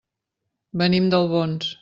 Venim d'Albons.